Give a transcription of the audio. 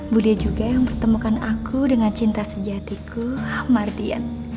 bu de juga yang bertemukan aku dengan cinta sejatiku mardian